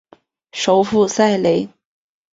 首府塞雷。